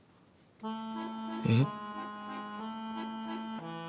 えっ？